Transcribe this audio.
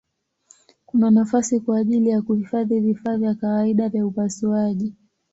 Kuna nafasi kwa ajili ya kuhifadhi vifaa vya kawaida vya upasuaji.